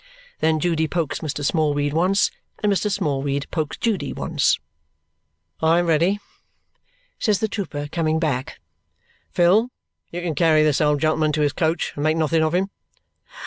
Then Judy pokes Mr. Smallweed once, and Mr. Smallweed pokes Judy once. "I am ready," says the trooper, coming back. "Phil, you can carry this old gentleman to his coach, and make nothing of him."